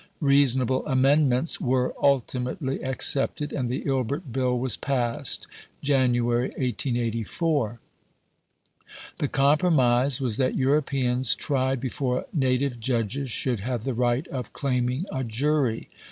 "Reasonable amendments" were ultimately accepted, and the "Ilbert Bill" was passed (Jan. 1884). The compromise was that Europeans tried before native judges should have the right of claiming a jury.